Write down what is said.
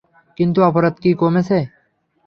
কিন্তু অপরাধ কি কমেছে?